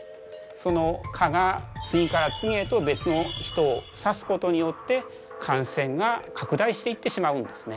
その蚊が次から次へと別の人を刺すことによって感染が拡大していってしまうんですね。